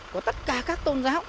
của tất cả các tôn giáo